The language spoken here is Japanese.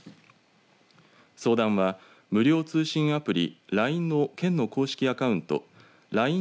相談は無料通信アプリラインの県の公式アカウントライン